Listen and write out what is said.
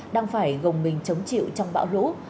đang phải gồng mình chống chịu trong bão lũ